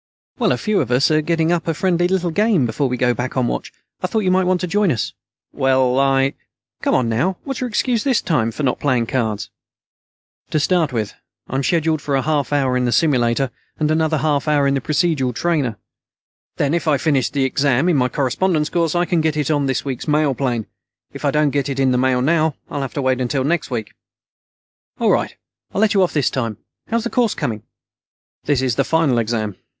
"Well, a few of us are getting up a friendly little game before we go back on watch. I thought you might want to join us." "Well, I " "Come on, now. What's your excuse this time for not playing cards?" "To start with, I'm scheduled for a half hour in the simulator, and another half hour in the procedural trainer. Then if I finish the exam in my correspondence course, I can get it on this week's mail plane. If I don't get it in the mail now, I'll have to wait until next week." "All right, I'll let you off this time. How's the course coming?" "This is the final exam.